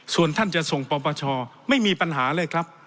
ส่วนท่านจะส่งปปชไม่มีปัญหาเลยครับ